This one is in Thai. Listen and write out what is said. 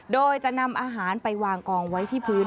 โดยจะนำอาหารไปวางกองไว้ที่พื้น